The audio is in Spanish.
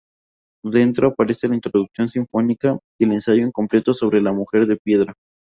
Dentro, aparece la "Introducción sinfónica" y el ensayo incompleto sobre "La mujer de piedra".